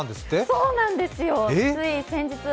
そうなんですよ、つい先日。